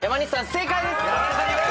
正解です。